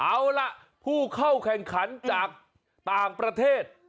เอาล่ะผู้เข้าแข่งขันจากต่างประเทศ